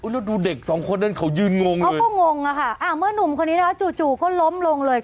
แล้วดูเด็กสองคนนั้นเขายืนงงเขาก็งงอะค่ะอ่าเมื่อนุ่มคนนี้นะคะจู่ก็ล้มลงเลย